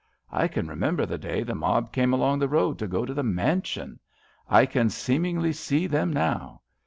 I can remember the day the mob came along the road to go to the Mansion. I can seem ingly see them now.